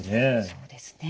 そうですね。